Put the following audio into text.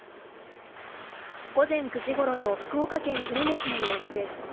午前９時ごろの福岡県久留米市の様子です。